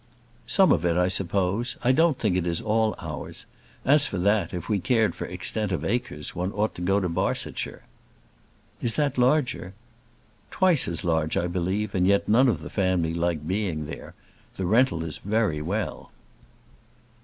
"Some of it, I suppose. I don't think it is all ours. As for that, if we cared for extent of acres, one ought to go to Barsetshire." "Is that larger?" "Twice as large, I believe, and yet none of the family like being there. The rental is very well."